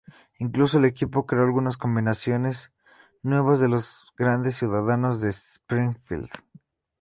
Incluso el equipo creó algunas combinaciones nuevas de los grandes ciudadanos de Springfield.